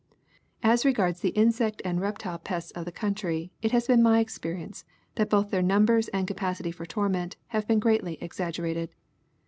As regards the insect and reptile pests of the country it has been my experience that both their numbers and capacity for torment have been greatly exaggerated.